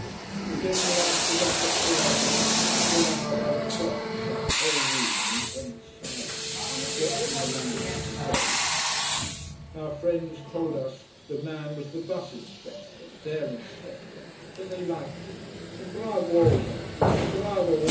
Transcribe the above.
This game lasted us a full hour: a full hour by the clock sat the whole room in intense silence, watching the man and the dog. Our friends told us the man was the bus inspector their inspector. But they liked him. "Un brav' uomo! Un bravo uomo!